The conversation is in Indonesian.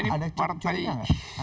ada kecurigaan gak